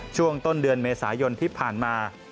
ช่วงต้นเดือนเมษายนที่ผ่านมา